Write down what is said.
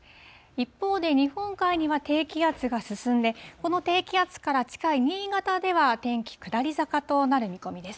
一方で、日本海には低気圧が進んで、この低気圧から近い新潟では、天気下り坂となる見込みです。